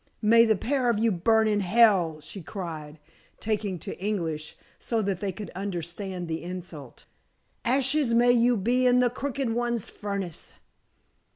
"May the pair of you burn in hell," she cried, taking to English, so that they could understand the insult. "Ashes may you be in the Crooked One's furnace."